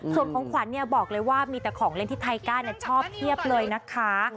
ส่วนของขวัญบอกเลยว่ามีแต่ของเล่นที่ไทก้าชอบเพียบเลยนะคะ